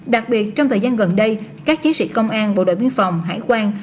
đặc biệt trong thời gian gần đây các chiến sĩ công an bộ đội biên phòng hải quan